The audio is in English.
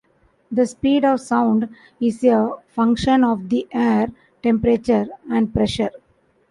The speed of sound is a function of the air temperature and pressure.